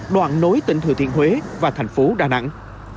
đoạn nối tỉnh thừa thiên huế và thành phố đà nẵng